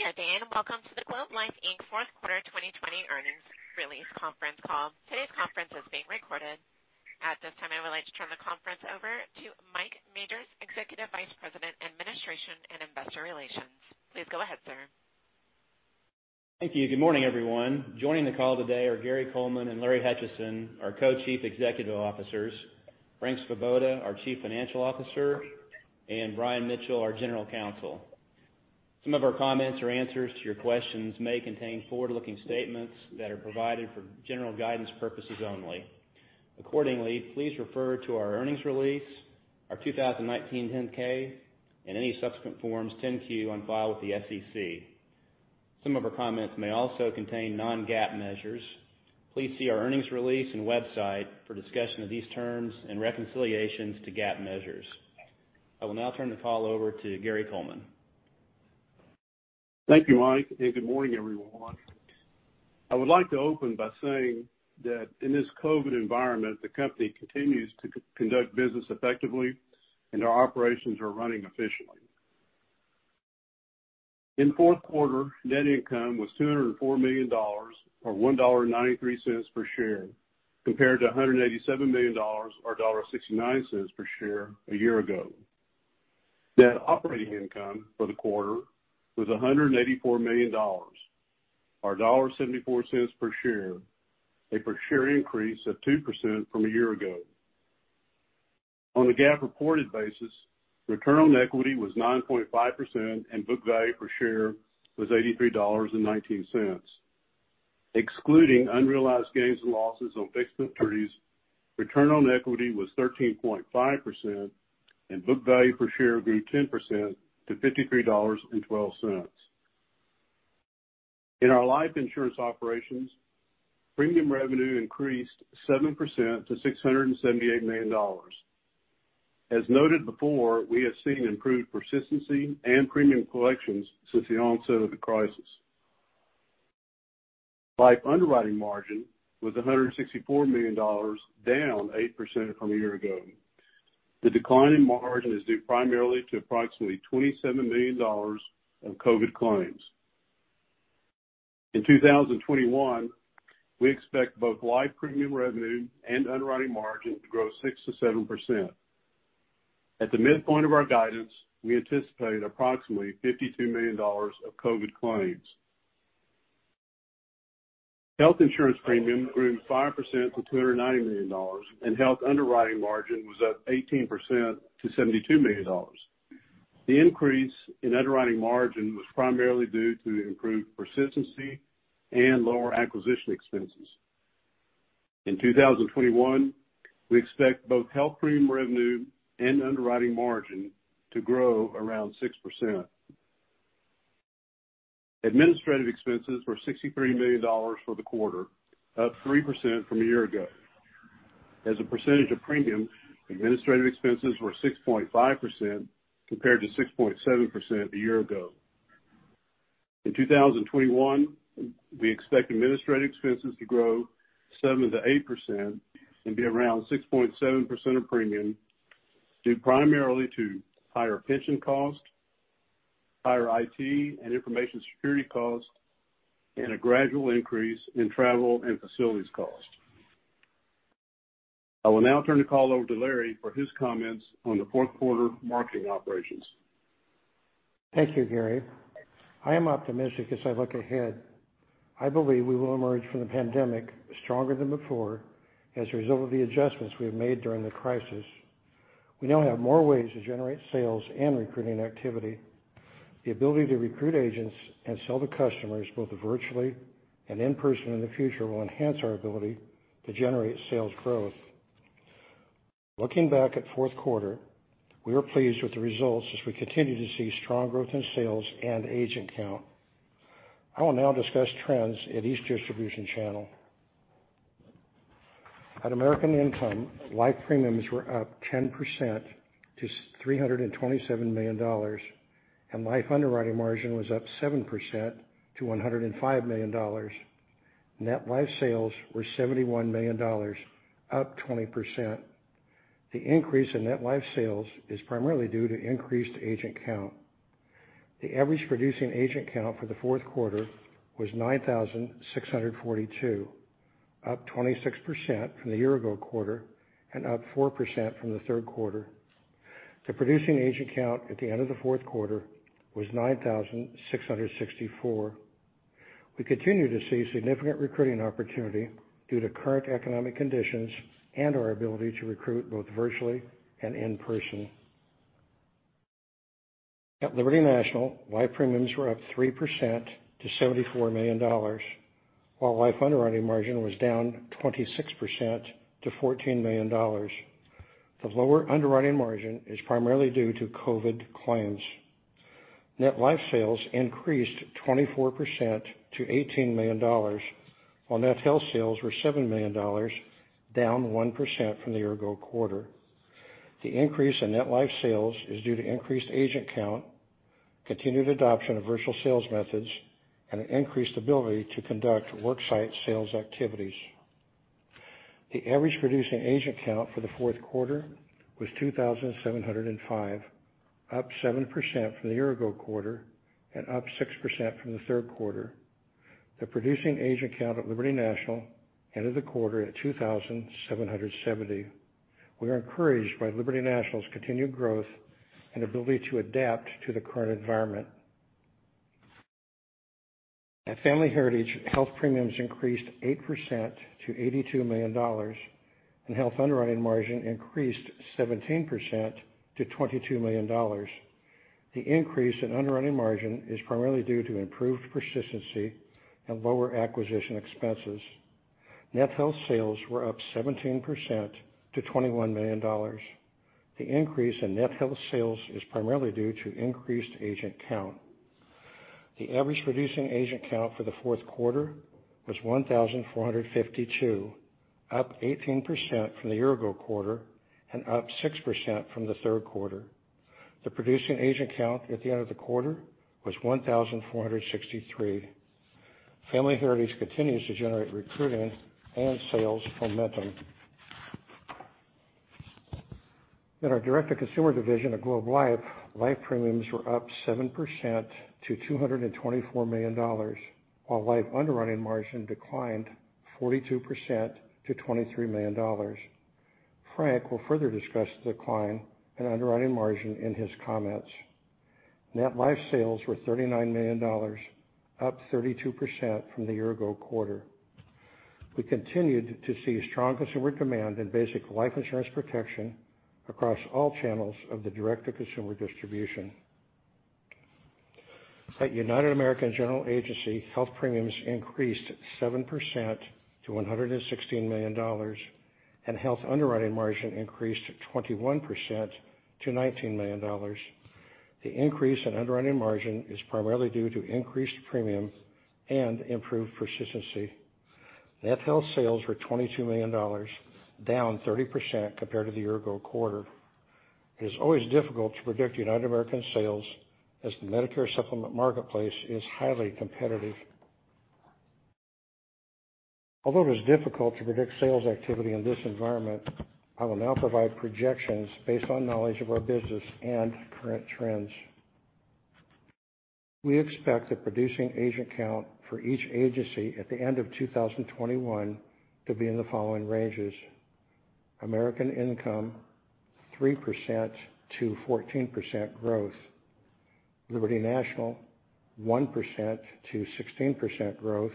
Good day. Welcome to the Globe Life Inc. Fourth Quarter 2020 Earnings Release Conference Call. Today's conference is being recorded. At this time, I would like to turn the conference over to Mike Majors, Executive Vice President, Administration and Investor Relations. Please go ahead, sir. Thank you. Good morning, everyone. Joining the call today are Gary Coleman and Larry Hutchison, our Co-Chief Executive Officers, Frank Svoboda, our Chief Financial Officer, and Brian Mitchell, our General Counsel. Some of our comments or answers to your questions may contain forward-looking statements that are provided for general guidance purposes only. Accordingly, please refer to our earnings release, our 2019 10-K, and any subsequent Forms 10-Q on file with the SEC. Some of our comments may also contain non-GAAP measures. Please see our earnings release and website for discussion of these terms and reconciliations to GAAP measures. I will now turn the call over to Gary Coleman. Thank you, Mike. Good morning, everyone. I would like to open by saying that in this COVID environment, the company continues to conduct business effectively, and our operations are running efficiently. In fourth quarter, net income was $204 million, or $1.93 per share, compared to $187 million or $1.69 per share a year ago. Net operating income for the quarter was $184 million, or $1.74 per share, a per share increase of 2% from a year ago. On a GAAP reported basis, return on equity was 9.5% and book value per share was $83.19. Excluding unrealized gains and losses on fixed annuities, return on equity was 13.5% and book value per share grew 10% to $53.12. In our life insurance operations, premium revenue increased 7% to $678 million. As noted before, we have seen improved persistency and premium collections since the onset of the crisis. Life underwriting margin was $164 million, down 8% from a year ago. The decline in margin is due primarily to approximately $27 million of COVID claims. In 2021, we expect both life premium revenue and underwriting margin to grow 6%-7%. At the midpoint of our guidance, we anticipate approximately $52 million of COVID claims. Health insurance premium grew 5% to $290 million, and health underwriting margin was up 18% to $72 million. The increase in underwriting margin was primarily due to improved persistency and lower acquisition expenses. In 2021, we expect both health premium revenue and underwriting margin to grow around 6%. Administrative expenses were $63 million for the quarter, up 3% from a year ago. As a percentage of premium, administrative expenses were 6.5% compared to 6.7% a year ago. In 2021, we expect administrative expenses to grow 7%-8% and be around 6.7% of premium, due primarily to higher pension cost, higher IT and information security cost, and a gradual increase in travel and facilities cost. I will now turn the call over to Larry for his comments on the fourth quarter marketing operations. Thank you, Gary. I am optimistic as I look ahead. I believe we will emerge from the pandemic stronger than before as a result of the adjustments we have made during the crisis. We now have more ways to generate sales and recruiting activity. The ability to recruit agents and sell to customers both virtually and in person in the future will enhance our ability to generate sales growth. Looking back at fourth quarter, we are pleased with the results as we continue to see strong growth in sales and agent count. I will now discuss trends at each distribution channel. At American Income, life premiums were up 10% to $327 million, and life underwriting margin was up 7% to $105 million. Net life sales were $71 million, up 20%. The increase in net life sales is primarily due to increased agent count. The average producing agent count for the fourth quarter was 9,642, up 26% from the year-ago quarter and up 4% from the third quarter. The producing agent count at the end of the fourth quarter was 9,664. We continue to see significant recruiting opportunity due to current economic conditions and our ability to recruit both virtually and in person. At Liberty National, life premiums were up 3% to $74 million, while life underwriting margin was down 26% to $14 million. The lower underwriting margin is primarily due to COVID claims. Net life sales increased 24% to $18 million, while net health sales were $7 million, down 1% from the year-ago quarter. The increase in net life sales is due to increased agent count, continued adoption of virtual sales methods, and an increased ability to conduct work site sales activities. The average producing agent count for the fourth quarter was 2,705, up 7% from the year-ago quarter and up 6% from the third quarter. The producing agent count at Liberty National ended the quarter at 2,770. We are encouraged by Liberty National's continued growth and ability to adapt to the current environment. At Family Heritage, health premiums increased 8% to $82 million, and health underwriting margin increased 17% to $22 million. The increase in underwriting margin is primarily due to improved persistency and lower acquisition expenses. Net health sales were up 17% to $21 million. The increase in net health sales is primarily due to increased agent count. The average producing agent count for the fourth quarter was 1,452, up 18% from the year-ago quarter and up 6% from the third quarter. The producing agent count at the end of the quarter was 1,463. Family Heritage continues to generate recruiting and sales momentum. In our direct-to-consumer division of Globe Life, life premiums were up 7% to $224 million, while life underwriting margin declined 42% to $23 million. Frank will further discuss the decline in underwriting margin in his comments. Net life sales were $39 million, up 32% from the year-ago quarter. We continued to see strong consumer demand in basic life insurance protection across all channels of the direct-to-consumer distribution. At United American General Agency, health premiums increased 7% to $116 million, and health underwriting margin increased 21% to $19 million. The increase in underwriting margin is primarily due to increased premium and improved persistency. Net health sales were $22 million, down 30% compared to the year-ago quarter. It is always difficult to predict United American sales as the Medicare supplement marketplace is highly competitive. Although it is difficult to predict sales activity in this environment, I will now provide projections based on knowledge of our business and current trends. We expect the producing agent count for each agency at the end of 2021 to be in the following ranges: American Income, 3% to 14% growth; Liberty National, 1% to 16% growth;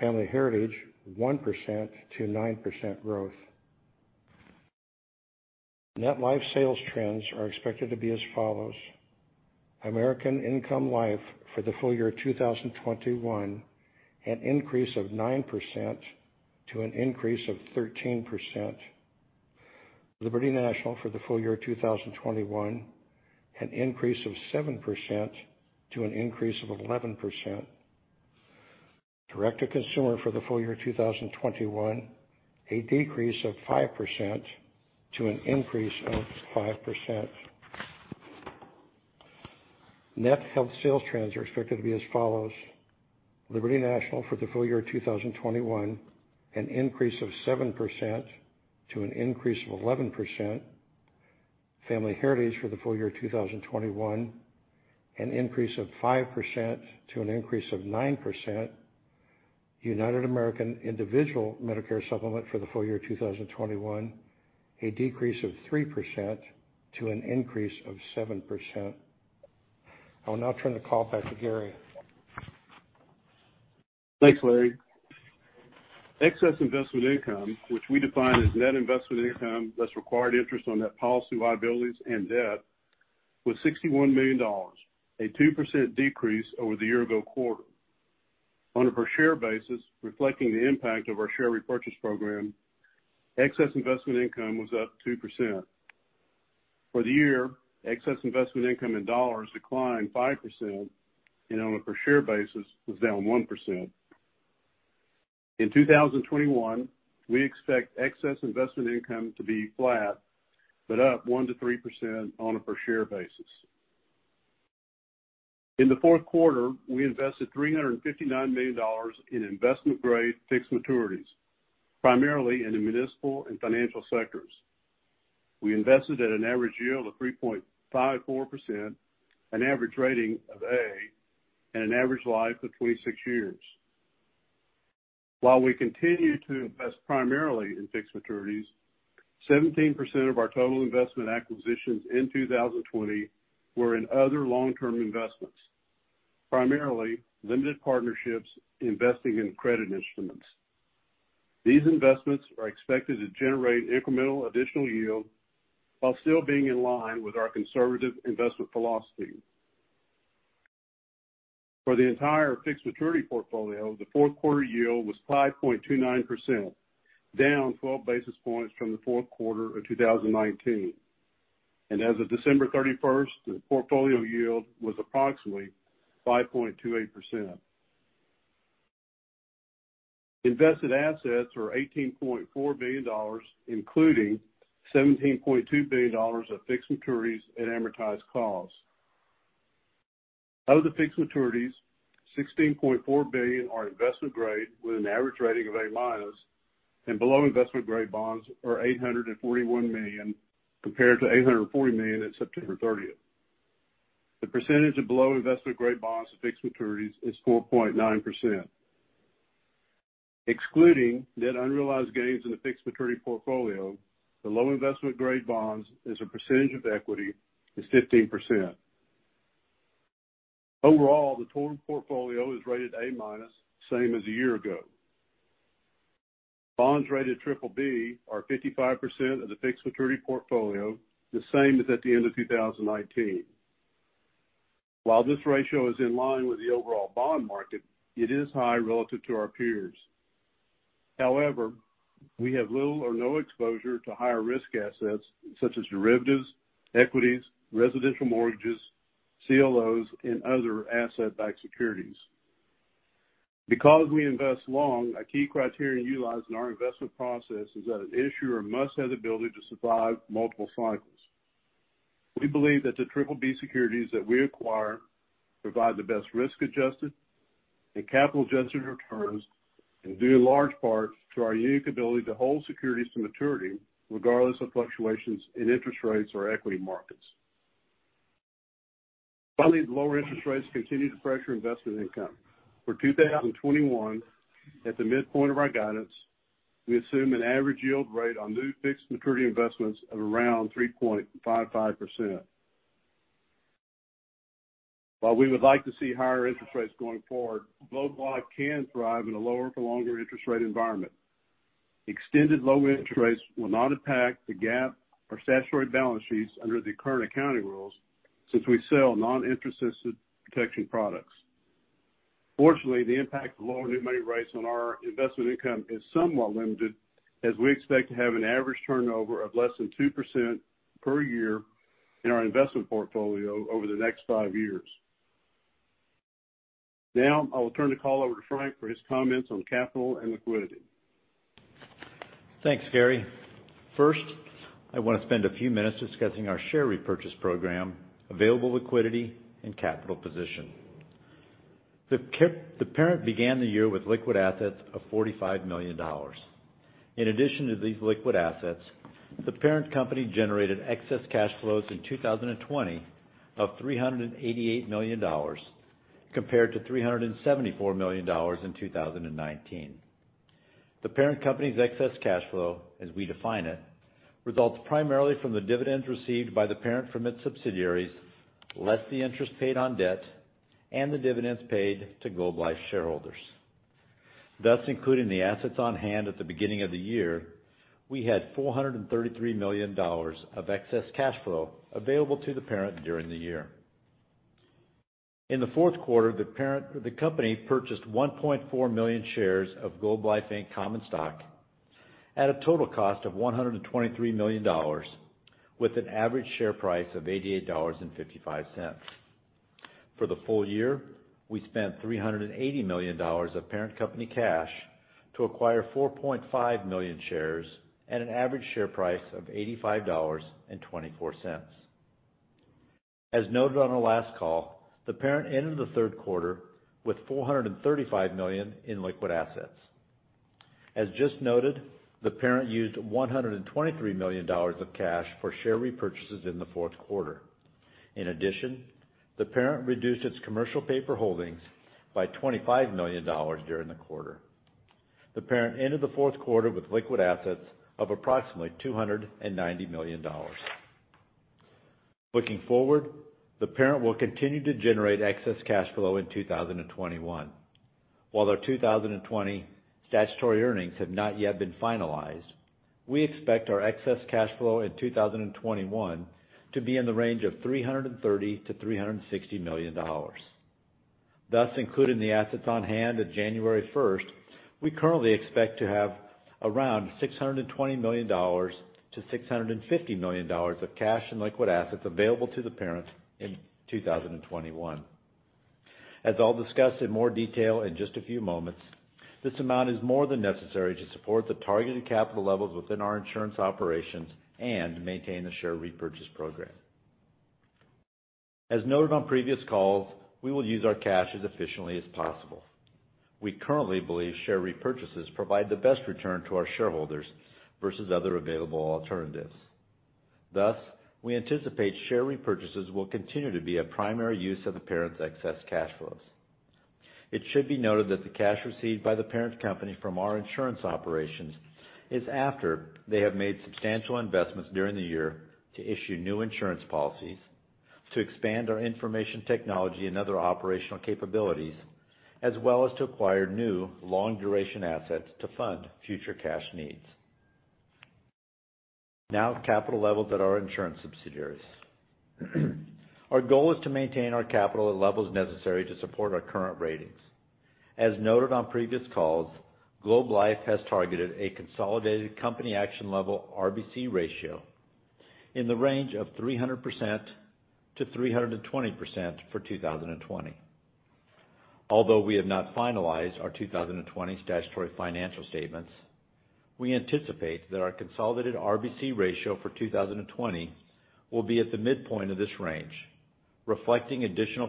Family Heritage, 1%-9% growth. Net life sales trends are expected to be as follows: American Income Life for the full year 2021, an increase of 9% to an increase of 13%. Liberty National for the full year 2021, an increase of 7% to an increase of 11%. direct-to-consumer for the full year 2021, a decrease of 5% to an increase of 5%. Net health sales trends are expected to be as follows: Liberty National for the full year 2021, an increase of 7% to an increase of 11%. Family Heritage for the full year 2021, an increase of 5% to an increase of 9%. United American Individual Medicare supplement for the full year 2021, a decrease of 3% to an increase of 7%. I will now turn the call back to Gary. Thanks, Larry. Excess investment income, which we define as net investment income, less required interest on net policy liabilities and debt, was $61 million, a 2% decrease over the year-ago quarter. On a per share basis, reflecting the impact of our share repurchase program, excess investment income was up 2%. For the year, excess investment income in dollars declined 5%, and on a per share basis was down 1%. In 2021, we expect excess investment income to be flat, but up 1%-3% on a per share basis. In the fourth quarter, we invested $359 million in investment-grade fixed maturities, primarily in the municipal and financial sectors. We invested at an average yield of 3.54%, an average rating of A, and an average life of 26 years. While we continue to invest primarily in fixed maturities, 17% of our total investment acquisitions in 2020 were in other long-term investments, primarily limited partnerships investing in credit instruments. These investments are expected to generate incremental additional yield while still being in line with our conservative investment philosophy. For the entire fixed maturity portfolio, the fourth quarter yield was 5.29%, down 12 basis points from the fourth quarter of 2019. As of December 31st, the portfolio yield was approximately 5.28%. Invested assets were $18.4 billion, including $17.2 billion of fixed maturities at amortized cost. Of the fixed maturities, $16.4 billion are investment grade with an average rating of A-minus, and below investment-grade bonds are $841 million compared to $840 million at September 30th. The percentage of below investment-grade bonds to fixed maturities is 4.9%. Excluding net unrealized gains in the fixed maturity portfolio, the low investment-grade bonds as a percentage of equity is 15%. Overall, the total portfolio is rated A-minus, same as a year ago. Bonds rated BBB are 55% of the fixed maturity portfolio, the same as at the end of 2019. While this ratio is in line with the overall bond market, it is high relative to our peers. However, we have little or no exposure to higher-risk assets such as derivatives, equities, residential mortgages, CLOs, and other asset-backed securities. Because we invest long, a key criteria utilized in our investment process is that an issuer must have the ability to survive multiple cycles. We believe that the BBB securities that we acquire provide the best risk-adjusted and capital-adjusted returns, and due in large part to our unique ability to hold securities to maturity regardless of fluctuations in interest rates or equity markets. Finally, lower interest rates continue to pressure investment income. For 2021, at the midpoint of our guidance, we assume an average yield rate on new fixed maturity investments of around 3.55%. While we would like to see higher interest rates going forward, Globe Life can thrive in a lower for longer interest rate environment. Extended low interest rates will not impact the GAAP or statutory balance sheets under the current accounting rules, since we sell non-interest assisted protection products. Fortunately, the impact of lower new money rates on our investment income is somewhat limited, as we expect to have an average turnover of less than 2% per year in our investment portfolio over the next five years. I will turn the call over to Frank for his comments on capital and liquidity. Thanks, Gary. I want to spend a few minutes discussing our share repurchase program, available liquidity, and capital position. The parent began the year with liquid assets of $45 million. In addition to these liquid assets, the parent company generated excess cash flows in 2020 of $388 million, compared to $374 million in 2019. The parent company's excess cash flow, as we define it, results primarily from the dividends received by the parent from its subsidiaries, less the interest paid on debt, and the dividends paid to Globe Life shareholders. Including the assets on hand at the beginning of the year, we had $433 million of excess cash flow available to the parent during the year. In the fourth quarter, the company purchased 1.4 million shares of Globe Life Inc. common stock at a total cost of $123 million, with an average share price of $88.55. For the full year, we spent $380 million of parent company cash to acquire 4.5 million shares at an average share price of $85.24. As noted on our last call, the parent ended the third quarter with $435 million in liquid assets. As just noted, the parent used $123 million of cash for share repurchases in the fourth quarter. In addition, the parent reduced its commercial paper holdings by $25 million during the quarter. The parent ended the fourth quarter with liquid assets of approximately $290 million. Looking forward, the parent will continue to generate excess cash flow in 2021. While our 2020 statutory earnings have not yet been finalized, we expect our excess cash flow in 2021 to be in the range of $330 million-$360 million. Including the assets on hand at January 1st, we currently expect to have around $620 million-$650 million of cash in liquid assets available to the parent in 2021. As I'll discuss in more detail in just a few moments, this amount is more than necessary to support the targeted capital levels within our insurance operations and maintain the share repurchase program. As noted on previous calls, we will use our cash as efficiently as possible. We currently believe share repurchases provide the best return to our shareholders versus other available alternatives. We anticipate share repurchases will continue to be a primary use of the parent's excess cash flows. It should be noted that the cash received by the parent company from our insurance operations is after they have made substantial investments during the year to issue new insurance policies, to expand our information technology and other operational capabilities, as well as to acquire new long-duration assets to fund future cash needs. Now, capital levels at our insurance subsidiaries. Our goal is to maintain our capital at levels necessary to support our current ratings. As noted on previous calls, Globe Life has targeted a consolidated company action level RBC ratio in the range of 300%-320% for 2020. Although we have not finalized our 2020 statutory financial statements, we anticipate that our consolidated RBC ratio for 2020 will be at the midpoint of this range, reflecting additional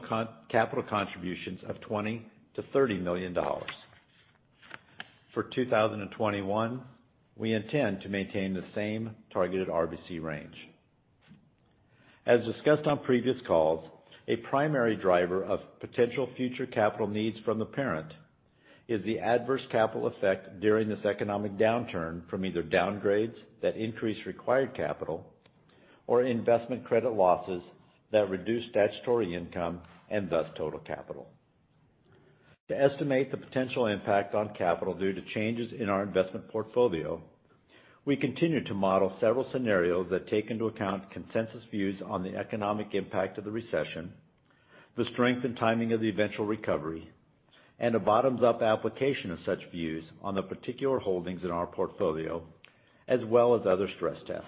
capital contributions of $20 million-$30 million. For 2021, we intend to maintain the same targeted RBC range. As discussed on previous calls, a primary driver of potential future capital needs from the parent is the adverse capital effect during this economic downturn from either downgrades that increase required capital or investment credit losses that reduce statutory income and thus total capital. To estimate the potential impact on capital due to changes in our investment portfolio, we continue to model several scenarios that take into account consensus views on the economic impact of the recession, the strength and timing of the eventual recovery, and a bottoms-up application of such views on the particular holdings in our portfolio, as well as other stress tests.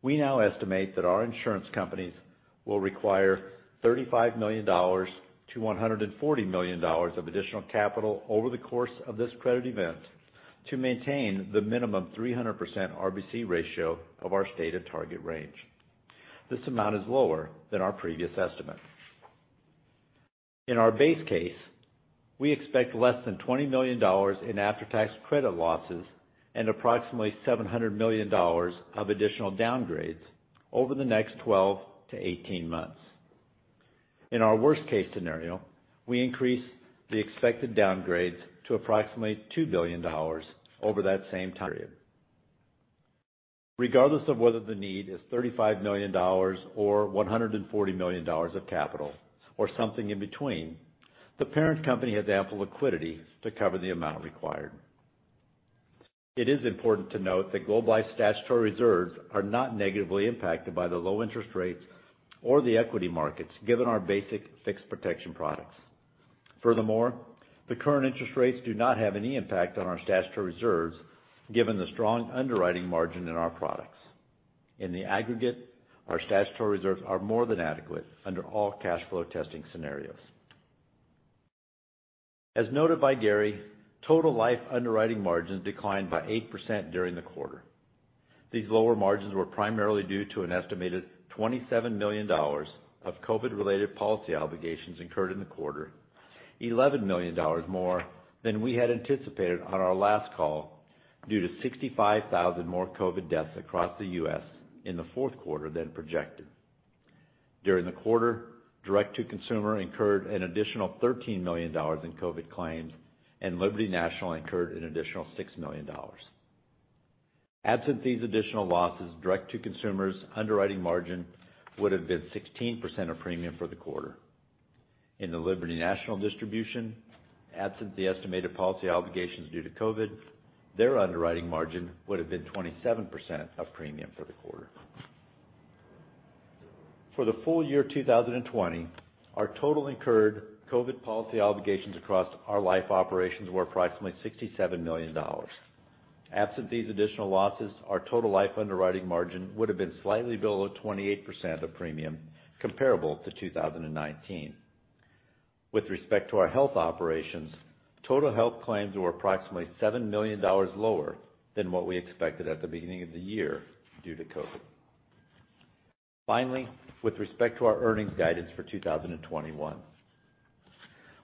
We now estimate that our insurance companies will require $35 million-$140 million of additional capital over the course of this credit event to maintain the minimum 300% RBC ratio of our stated target range. This amount is lower than our previous estimate. In our base case, we expect less than $20 million in after-tax credit losses and approximately $700 million of additional downgrades over the next 12-18 months. In our worst case scenario, we increase the expected downgrades to approximately $2 billion over that same time period. Regardless of whether the need is $35 million or $140 million of capital, or something in between, the parent company has ample liquidity to cover the amount required. It is important to note that Globe Life statutory reserves are not negatively impacted by the low interest rates or the equity markets, given our basic fixed protection products. Furthermore, the current interest rates do not have any impact on our statutory reserves, given the strong underwriting margin in our products. In the aggregate, our statutory reserves are more than adequate under all cash flow testing scenarios. As noted by Gary, total life underwriting margins declined by 8% during the quarter. These lower margins were primarily due to an estimated $27 million of COVID-related policy obligations incurred in the quarter, $11 million more than we had anticipated on our last call, due to 65,000 more COVID deaths across the U.S. in the fourth quarter than projected. During the quarter, direct-to-consumer incurred an additional $13 million in COVID claims, and Liberty National incurred an additional $6 million. Absent these additional losses, direct-to-consumer's underwriting margin would have been 16% of premium for the quarter. In the Liberty National Distribution, absent the estimated policy obligations due to COVID, their underwriting margin would have been 27% of premium for the quarter. For the full year 2020, our total incurred COVID policy obligations across our life operations were approximately $67 million. Absent these additional losses, our total life underwriting margin would have been slightly below 28% of premium, comparable to 2019. With respect to our health operations, total health claims were approximately $7 million lower than what we expected at the beginning of the year due to COVID. Finally, with respect to our earnings guidance for 2021,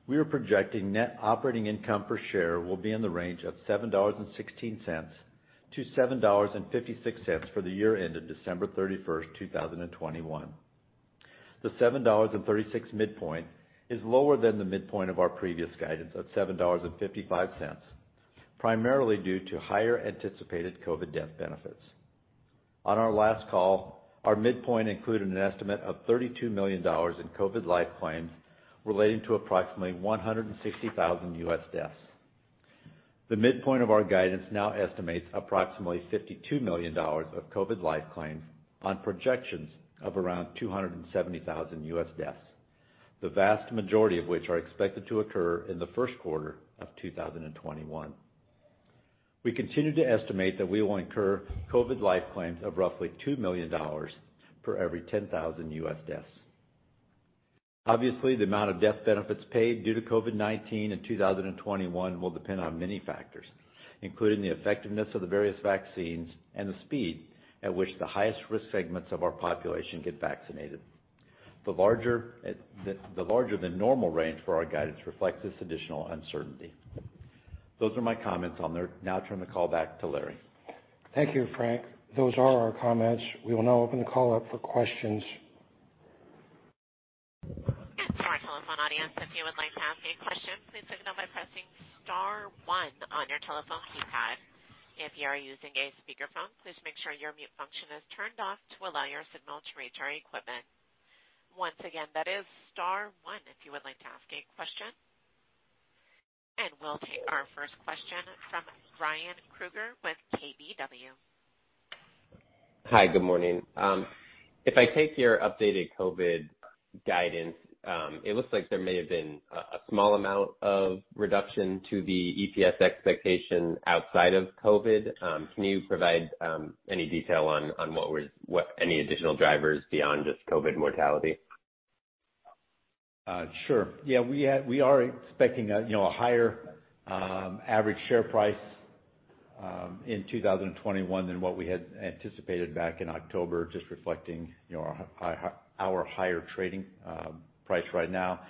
we are projecting net operating income per share will be in the range of $7.16-$7.56 for the year ended December 31st, 2021. The $7.36 midpoint is lower than the midpoint of our previous guidance of $7.55, primarily due to higher anticipated COVID death benefits. On our last call, our midpoint included an estimate of $32 million in COVID life claims relating to approximately 160,000 U.S. deaths. The midpoint of our guidance now estimates approximately $52 million of COVID life claims on projections of around 270,000 U.S. deaths, the vast majority of which are expected to occur in the first quarter of 2021. We continue to estimate that we will incur COVID life claims of roughly $2 million for every 10,000 U.S. deaths. Obviously, the amount of death benefits paid due to COVID-19 in 2021 will depend on many factors, including the effectiveness of the various vaccines and the speed at which the highest risk segments of our population get vaccinated. The larger than normal range for our guidance reflects this additional uncertainty. Those are my comments. I'll now turn the call back to Larry. Thank you, Frank. Those are our comments. We will now open the call up for questions. For our telephone audience, if you would like to ask a question, please signal by pressing star one on your telephone keypad. If you are using a speakerphone, please make sure your mute function is turned off to allow your signal to reach our equipment. Once again, that is star one if you would like to ask a question. we'll take our first question from Ryan Krueger with KBW. Hi. Good morning. If I take your updated COVID guidance, it looks like there may have been a small amount of reduction to the EPS expectation outside of COVID. Can you provide any detail on any additional drivers beyond just COVID mortality? Sure. Yeah, we are expecting a higher average share price in 2021 than what we had anticipated back in October, just reflecting our higher trading price right now.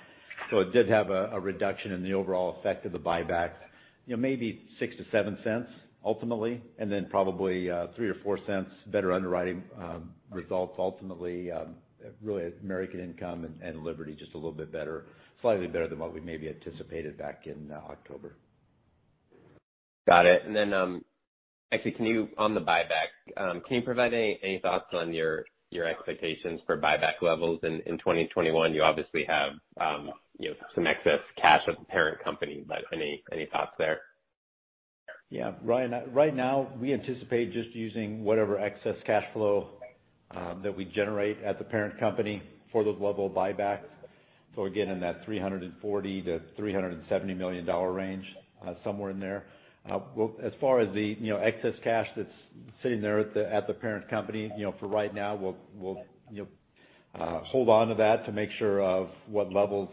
It did have a reduction in the overall effect of the buyback, maybe $0.06-$0.07 ultimately, and then probably $0.03 or $0.04 better underwriting results ultimately, really American Income and Liberty, just a little bit better, slightly better than what we maybe anticipated back in October. Got it. Actually, on the buyback, can you provide any thoughts on your expectations for buyback levels in 2021? You obviously have some excess cash at the parent company, but any thoughts there? Yeah. Ryan, right now we anticipate just using whatever excess cash flow that we generate at the parent company for those level buybacks. again, in that $340 million-$370 million range, somewhere in there. As far as the excess cash that's sitting there at the parent company, for right now, we'll hold on to that to make sure of what levels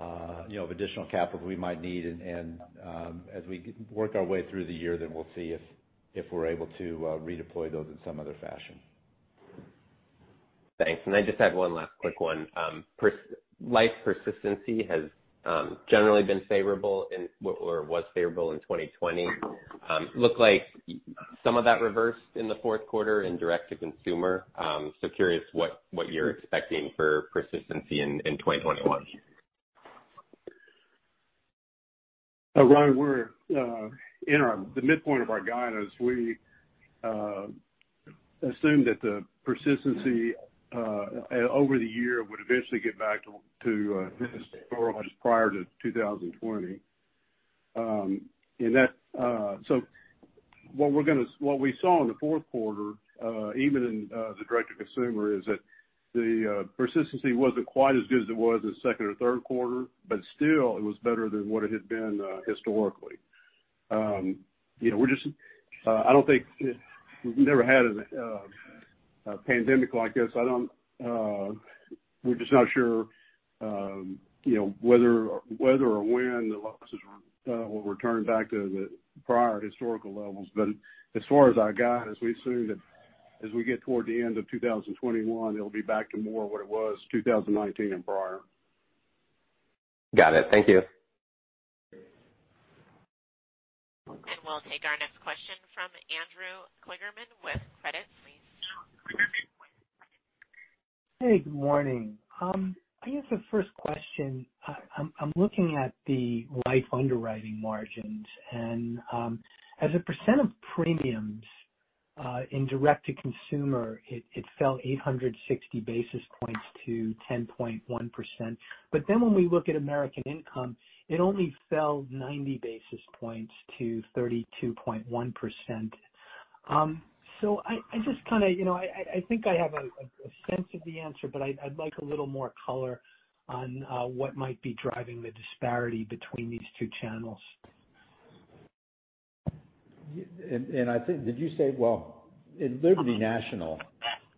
of additional capital we might need. as we work our way through the year, then we'll see if we're able to redeploy those in some other fashion. Thanks. I just have one last quick one. Life persistency has generally been favorable or was favorable in 2020. Looked like some of that reversed in the fourth quarter in direct-to-consumer. Curious what you're expecting for persistency in 2021. Ryan, the midpoint of our guidance, we assumed that the persistency over the year would eventually get back to historical just prior to 2020. What we saw in the fourth quarter, even in the direct-to-consumer, is that the persistency wasn't quite as good as it was in the second or third quarter, but still it was better than what it had been historically. We've never had a pandemic like this. We're just not sure whether or when the losses will return back to the prior historical levels. As far as our guidance, we assumed that as we get toward the end of 2021, it'll be back to more what it was 2019 and prior. Got it. Thank you. We'll take our next question from Andrew Kligerman with Credit Suisse. Hey, good morning. I guess the first question, I'm looking at the life underwriting margins, and as a percent of premiums in direct-to-consumer, it fell 860 basis points to 10.1%. when we look at American Income, it only fell 90 basis points to 32.1%. I think I have a sense of the answer, but I'd like a little more color on what might be driving the disparity between these two channels. Did you say Well, Liberty National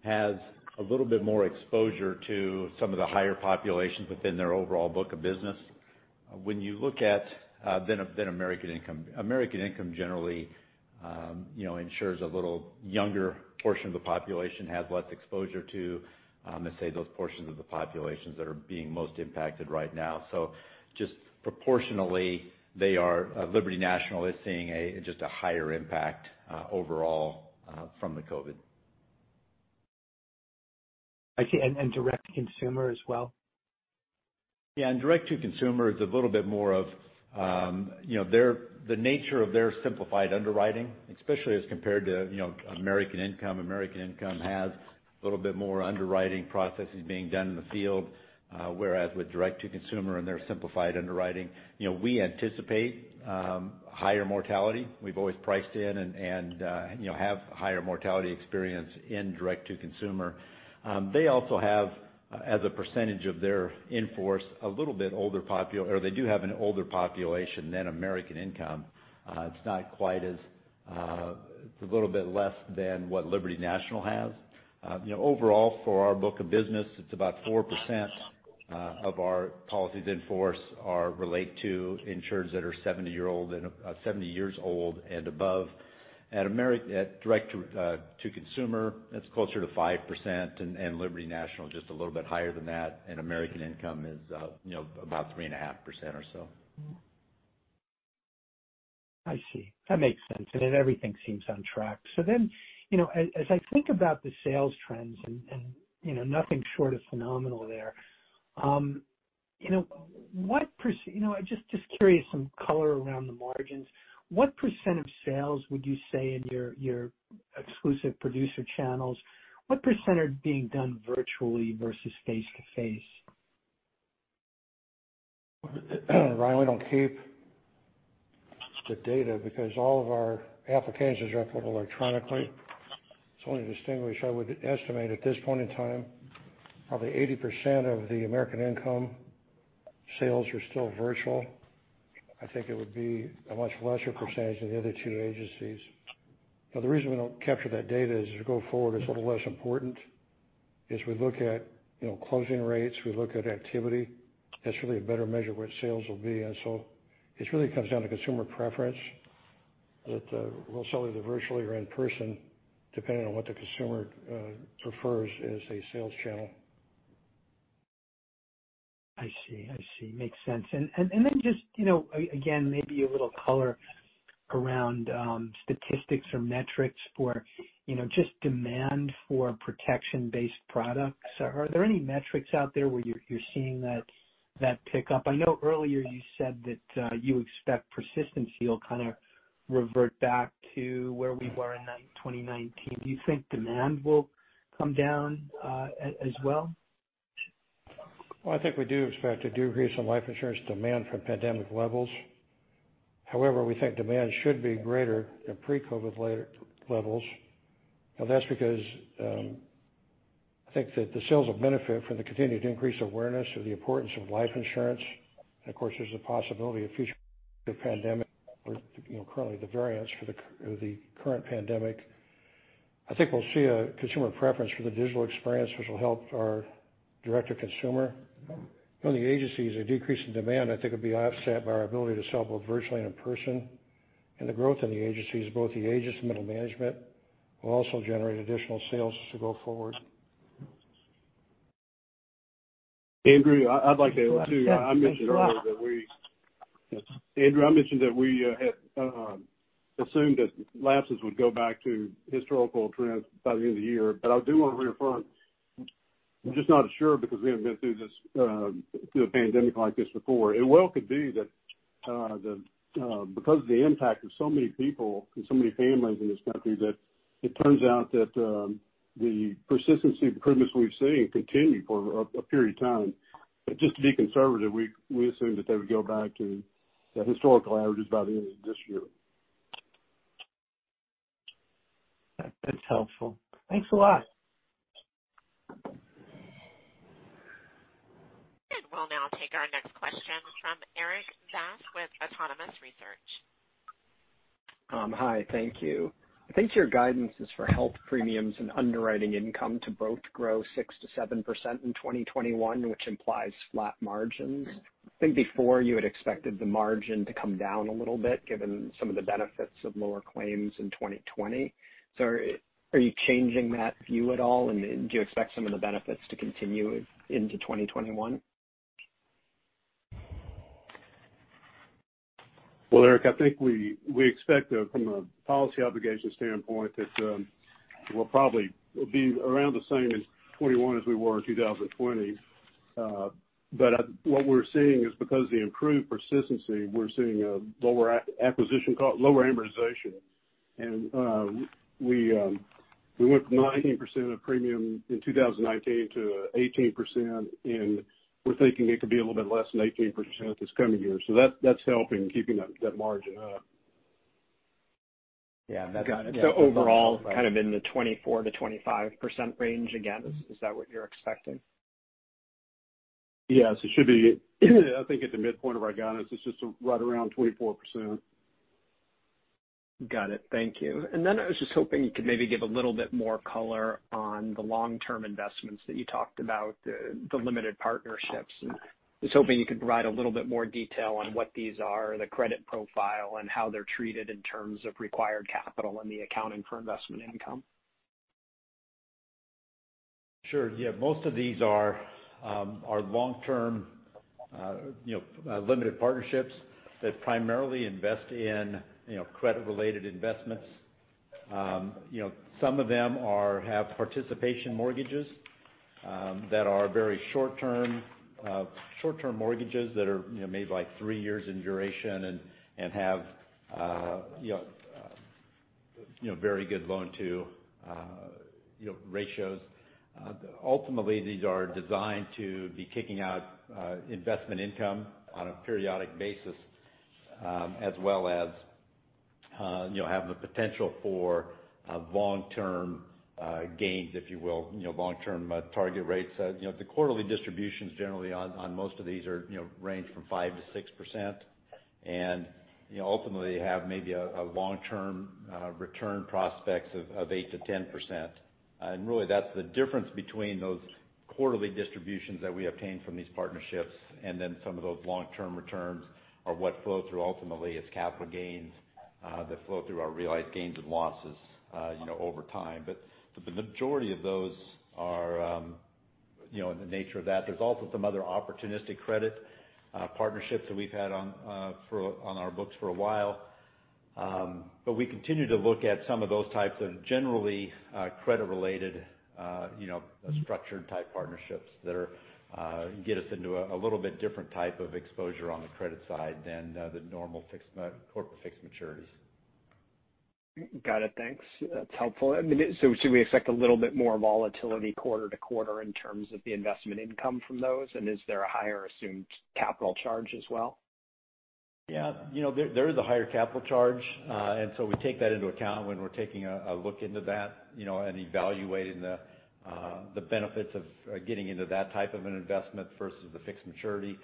has a little bit more exposure to some of the higher populations within their overall book of business than American Income. American Income generally insures a little younger portion of the population, has less exposure to, let's say, those portions of the populations that are being most impacted right now. Just proportionally, Liberty National is seeing just a higher impact overall from the COVID. I see. direct-to-consumer as well? Yeah, direct-to-consumer is a little bit more of the nature of their simplified underwriting, especially as compared to American Income. American Income has a little bit more underwriting processes being done in the field, whereas with direct-to-consumer and their simplified underwriting, we anticipate higher mortality. We've always priced in and have higher mortality experience in direct-to-consumer. They also have, as a percentage of their in-force, they do have an older population than American Income. It's a little bit less than what Liberty National has. Overall, for our book of business, it's about 4% of our policies in force relate to insureds that are 70 years old and above. At direct-to-consumer, it's closer to 5%, and Liberty National just a little bit higher than that, and American Income is about 3.5% or so. I see. That makes sense. Everything seems on track. As I think about the sales trends, and nothing short of phenomenal there. Just curious, some color around the margins. What percent of sales would you say in your exclusive producer channels, what % are being done virtually versus face-to-face? Ryan, we don't keep the data because all of our applications are filled electronically. I want to distinguish, I would estimate at this point in time, probably 80% of the American Income sales are still virtual. I think it would be a much lesser percentage than the other two agencies. Now, the reason we don't capture that data is as we go forward, it's a little less important as we look at closing rates, we look at activity. That's really a better measure of where sales will be. It really comes down to consumer preference that we'll sell either virtually or in person, depending on what the consumer prefers as a sales channel. I see. Makes sense. just, again, maybe a little color around statistics or metrics for just demand for protection-based products. Are there any metrics out there where you're seeing that pick up? I know earlier you said that you expect persistence yield kind of revert back to where we were in 2019. Do you think demand will come down as well? Well, I think we do expect to do recent life insurance demand from pandemic levels. However, we think demand should be greater than pre-COVID levels. Now that's because I think that the sales will benefit from the continued increased awareness of the importance of life insurance. Of course, there's a possibility of future pandemics, currently the variants for the current pandemic. I think we'll see a consumer preference for the digital experience, which will help our direct to consumer. From the agencies, a decrease in demand, I think will be offset by our ability to sell both virtually and in person. The growth in the agencies, both the agents and middle management, will also generate additional sales to go forward. Andrew, I'd like to add too. I mentioned earlier that we had assumed that lapses would go back to historical trends by the end of the year, but I do want to reaffirm, we're just not sure because we haven't been through a pandemic like this before. It well could be that because of the impact of so many people and so many families in this country, that it turns out that the persistency improvements we've seen continue for a period of time. Just to be conservative, we assume that they would go back to the historical averages by the end of this year. That's helpful. Thanks a lot. We'll now take our next question from Erik Bass with Autonomous Research. Hi, thank you. I think your guidance is for health premiums and underwriting income to both grow 6%-7% in 2021, which implies flat margins. I think before you had expected the margin to come down a little bit, given some of the benefits of lower claims in 2020. Are you changing that view at all, and do you expect some of the benefits to continue into 2021? Well, Erik, I think we expect from a policy obligation standpoint that we'll probably be around the same in 2021 as we were in 2020. what we're seeing is because of the improved persistency, we're seeing a lower acquisition cost, lower amortization. we went from 19% of premium in 2019 to 18%, and we're thinking it could be a little bit less than 18% this coming year. that's helping keeping that margin up. Yeah. Got it. Overall, kind of in the 24%-25% range, again, is that what you're expecting? Yes, it should be. I think at the midpoint of our guidance, it's just right around 24%. Got it. Thank you. I was just hoping you could maybe give a little bit more color on the long-term investments that you talked about, the limited partnerships. I was hoping you could provide a little bit more detail on what these are, the credit profile, and how they're treated in terms of required capital in the accounting for investment income. Sure. Yeah. Most of these are long-term limited partnerships that primarily invest in credit-related investments. Some of them have participation mortgages that are very short-term mortgages that are made like three years in duration and have very good loan-to ratios. Ultimately, these are designed to be kicking out investment income on a periodic basis as well as have the potential for long-term gains, if you will, long-term target rates. The quarterly distributions generally on most of these range from 5%-6%, and ultimately have maybe a long-term return prospects of 8%-10%. Really that's the difference between those quarterly distributions that we obtain from these partnerships and then some of those long-term returns are what flow through ultimately as capital gains that flow through our realized gains and losses over time. The majority of those are in the nature of that. There's also some other opportunistic credit partnerships that we've had on our books for a while. We continue to look at some of those types of generally credit-related structured type partnerships that get us into a little bit different type of exposure on the credit side than the normal corporate fixed maturities. Got it. Thanks. That's helpful. Should we expect a little bit more volatility quarter-to-quarter in terms of the investment income from those? Is there a higher assumed capital charge as well? Yeah. There is a higher capital charge, and so we take that into account when we're taking a look into that and evaluating the benefits of getting into that type of an investment versus the fixed maturity.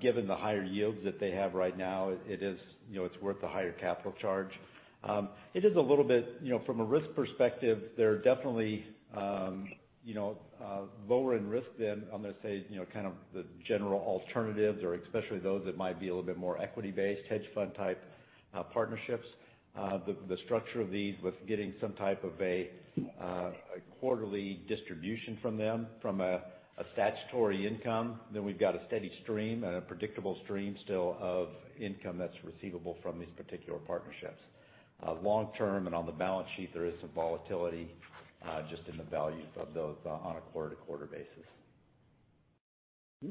Given the higher yields that they have right now, it's worth the higher capital charge. From a risk perspective, they're definitely lower in risk than, I'm going to say, kind of the general alternatives or especially those that might be a little bit more equity-based, hedge fund type partnerships. The structure of these, with getting some type of a quarterly distribution from them, from a statutory income, then we've got a steady stream and a predictable stream still of income that's receivable from these particular partnerships. Long term and on the balance sheet, there is some volatility just in the values of those on a quarter-to-quarter basis.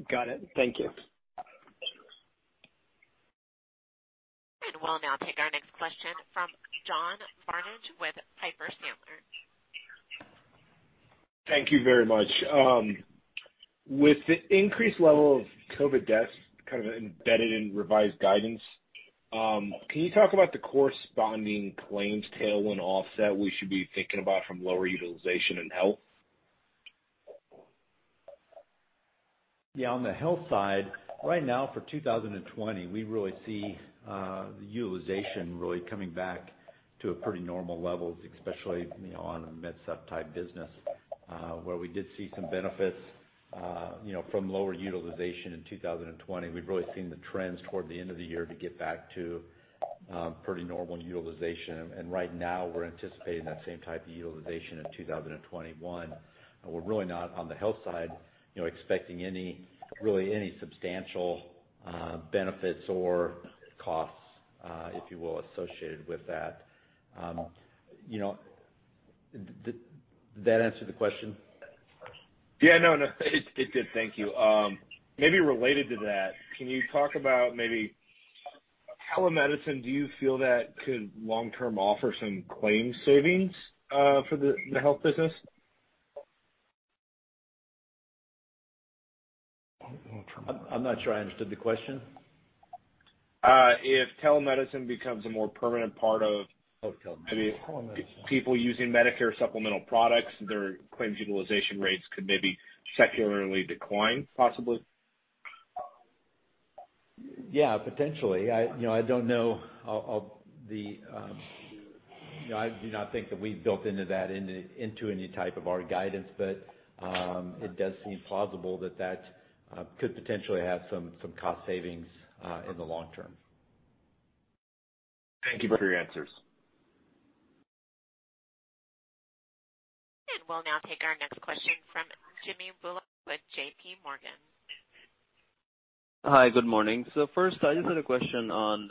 Got it. Thank you. We'll now take our next question from John Barnidge with Piper Sandler. Thank you very much. With the increased level of COVID deaths kind of embedded in revised guidance, can you talk about the corresponding claims tailwind offset we should be thinking about from lower utilization in health? Yeah. On the health side, right now for 2020, we really see the utilization really coming back to a pretty normal level, especially on a MedSup type business, where we did see some benefits from lower utilization in 2020. We've really seen the trends toward the end of the year to get back to pretty normal utilization. Right now we're anticipating that same type of utilization in 2021. We're really not, on the health side, expecting really any substantial benefits or costs, if you will, associated with that. Did that answer the question? Yeah, no. It did. Thank you. Maybe related to that, can you talk about maybe telemedicine, do you feel that could long term offer some claims savings for the health business? I'm not sure I understood the question. If telemedicine becomes a more permanent part of Oh, telemedicine. people using Medicare supplemental products, their claims utilization rates could maybe secularly decline, possibly. Yeah, potentially. I do not think that we've built into that into any type of our guidance, but it does seem plausible that could potentially have some cost savings in the long term. Thank you for your answers. we'll now take our next question from Jimmy Bhullar with J.P. Morgan. Hi, good morning. first, I just had a question on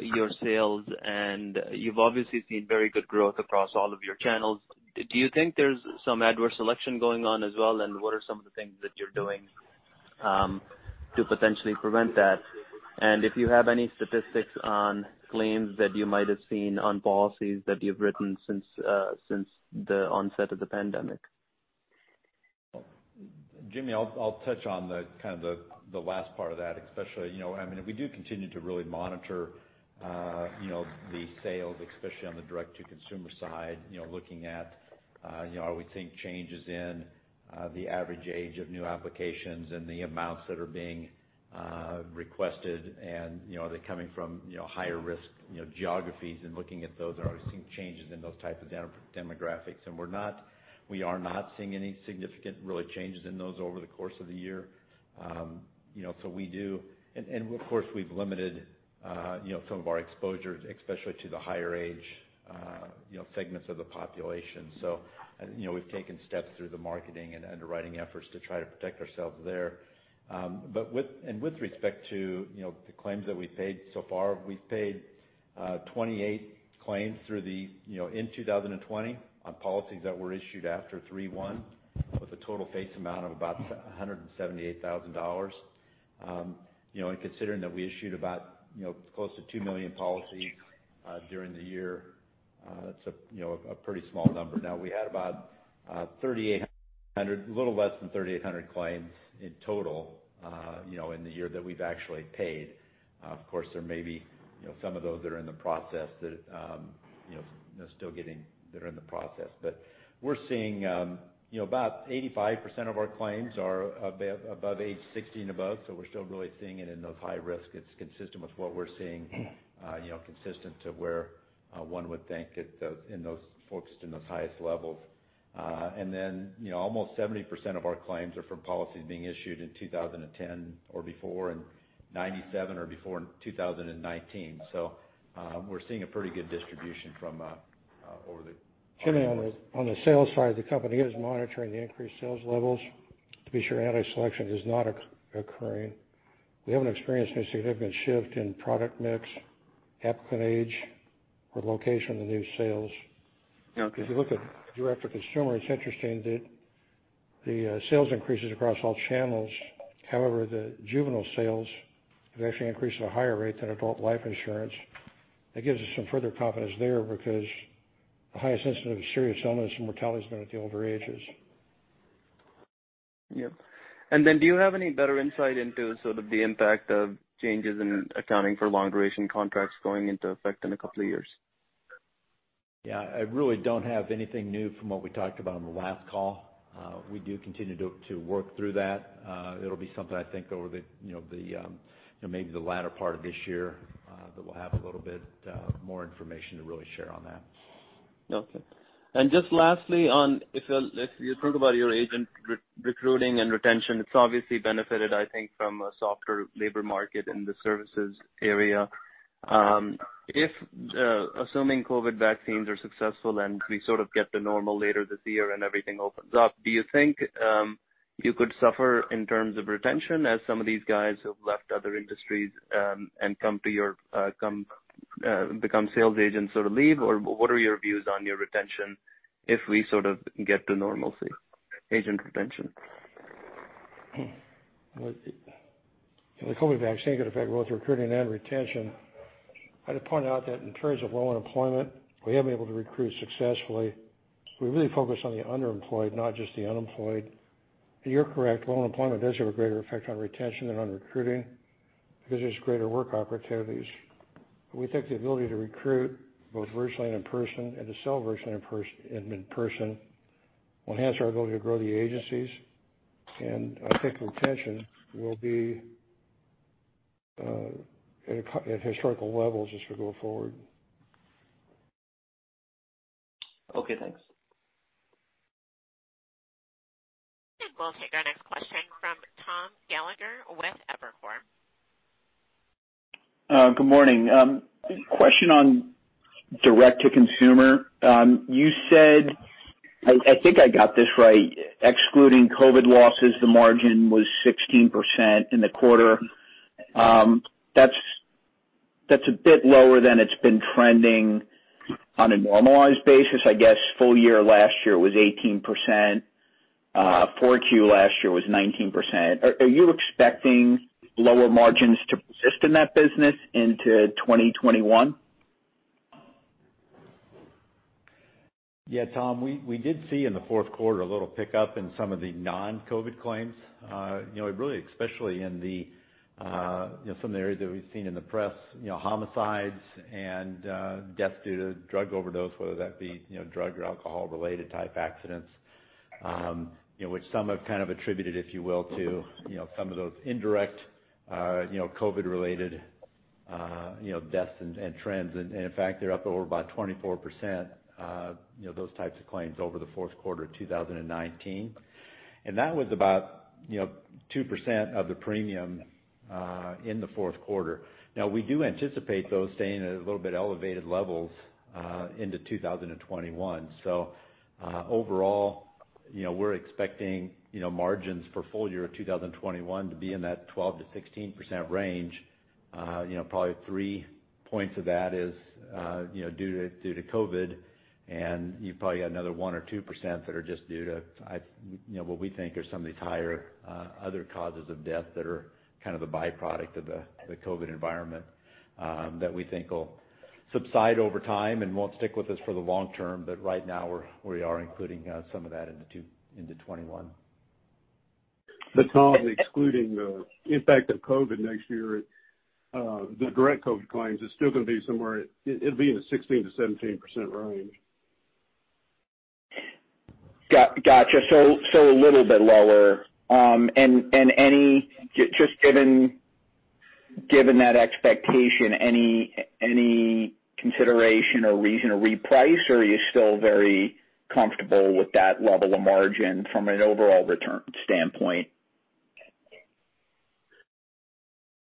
your sales, and you've obviously seen very good growth across all of your channels. Do you think there's some adverse selection going on as well, and what are some of the things that you're doing to potentially prevent that? if you have any statistics on claims that you might have seen on policies that you've written since the onset of the pandemic. Jimmy, I'll touch on kind of the last part of that, especially. We do continue to really monitor the sales, especially on the direct-to-consumer side, looking at are we seeing changes in the average age of new applications and the amounts that are being requested, and are they coming from higher risk geographies, and looking at those. Are we seeing changes in those type of demographics? We are not seeing any significant changes in those over the course of the year. Of course, we've limited some of our exposure, especially to the higher age segments of the population. We've taken steps through the marketing and underwriting efforts to try to protect ourselves there. With respect to the claims that we've paid so far, we've paid 28 claims in 2020 on policies that were issued after 3/1, with a total face amount of about $178,000. considering that we issued about close to 2 million policies during the year, that's a pretty small number. Now, we had about a little less than 3,800 claims in total in the year that we've actually paid. Of course, there may be some of those that are in the process. we're seeing about 85% of our claims are above age 60 and above, so we're still really seeing it in those high risk. It's consistent with what we're seeing, consistent to where one would think it focused in those highest levels. then almost 70% of our claims are from policies being issued in 2010 or before, and 97 or before in 2019. we're seeing a pretty good distribution over there. Jimmy, on the sales side, the company is monitoring the increased sales levels to be sure adverse selection is not occurring. We haven't experienced any significant shift in product mix, applicant age, or location of the new sales. Okay. You look at direct to consumer, it's interesting that the sales increases across all channels. The juvenile sales have actually increased at a higher rate than adult life insurance. That gives us some further confidence there because the highest instance of serious illness and mortality has been at the older ages. Yep. Do you have any better insight into sort of the impact of changes in accounting for long duration contracts going into effect in a couple of years? Yeah, I really don't have anything new from what we talked about on the last call. We do continue to work through that. It'll be something I think over maybe the latter part of this year, that we'll have a little bit more information to really share on that. Okay. Just lastly on, if you talk about your agent recruiting and retention, it's obviously benefited, I think, from a softer labor market in the services area. If, assuming COVID vaccines are successful and we sort of get to normal later this year and everything opens up, do you think you could suffer in terms of retention as some of these guys who've left other industries, and become sales agents sort of leave or what are your views on your retention if we sort of get to normalcy? Agent retention. The COVID vaccine could affect both recruiting and retention. I'd point out that in terms of low unemployment, we have been able to recruit successfully. We really focus on the underemployed, not just the unemployed. You're correct, low unemployment does have a greater effect on retention than on recruiting because there's greater work opportunities. We think the ability to recruit both virtually and in-person, and to sell virtually and in-person, will enhance our ability to grow the agencies. I think retention will be at historical levels as we go forward. Okay, thanks. I think we'll take our next question from Tom Gallagher with Evercore. Good morning. Question on direct to consumer. You said, I think I got this right, excluding COVID losses, the margin was 16% in the quarter. That's a bit lower than it's been trending on a normalized basis, I guess. Full year last year was 18%, 4Q last year was 19%. Are you expecting lower margins to persist in that business into 2021? Yeah, Tom, we did see in the fourth quarter a little pickup in some of the non-COVID claims. Really especially in some of the areas that we've seen in the press, homicides and deaths due to drug overdose, whether that be drug or alcohol related type accidents, which some have kind of attributed, if you will, to some of those indirect COVID related deaths and trends. In fact, they're up over about 24%, those types of claims over the fourth quarter of 2019. That was about 2% of the premium in the fourth quarter. Now, we do anticipate those staying at a little bit elevated levels into 2021. Overall, we're expecting margins for full year 2021 to be in that 12%-16% range. Probably three points of that is due to COVID, and you've probably got another one or two percent that are just due to what we think are some of these higher other causes of death that are kind of a byproduct of the COVID environment, that we think will subside over time and won't stick with us for the long term. Right now, we are including some of that into 2021. Tom, excluding the impact of COVID next year, the direct COVID claims is still going to be somewhere at, it'll be in the 16%-17% range. Gotcha. A little bit lower. Any, just given that expectation, any consideration or reason to reprice, or are you still very comfortable with that level of margin from an overall return standpoint?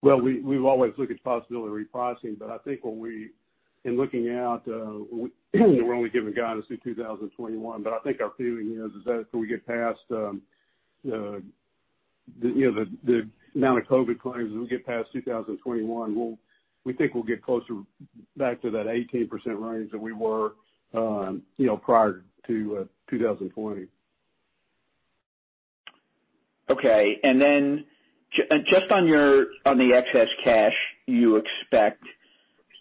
Well, we've always looked at the possibility of repricing, but I think in looking out, we're only giving guidance through 2021. I think our feeling is that as we get past the amount of COVID claims, as we get past 2021, we think we'll get closer back to that 18% range that we were prior to 2020. Okay. just on the excess cash you expect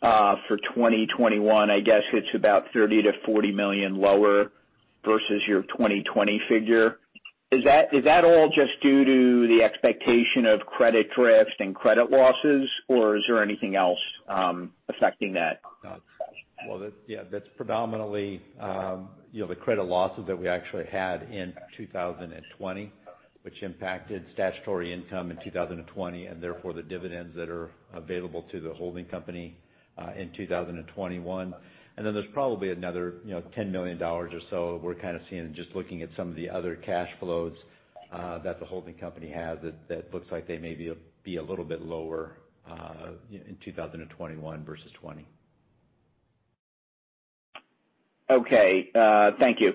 for 2021, I guess it's about $30 million-$40 million lower versus your 2020 figure. Is that all just due to the expectation of credit drift and credit losses, or is there anything else affecting that? Well, yeah, that's predominantly the credit losses that we actually had in 2020, which impacted statutory income in 2020, and therefore the dividends that are available to the holding company in 2021. There's probably another $10 million or so we're kind of seeing just looking at some of the other cash flows that the holding company has that looks like they may be a little bit lower in 2021 versus '20. Okay. Thank you.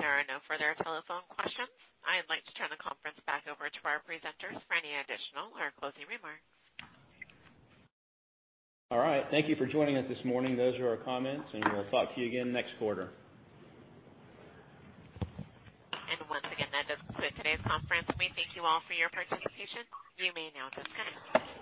It appears there are no further telephone questions. I'd like to turn the conference back over to our presenters for any additional or closing remarks. All right. Thank you for joining us this morning. Those are our comments, and we'll talk to you again next quarter. once again, that does conclude today's conference. We thank you all for your participation. You may now disconnect.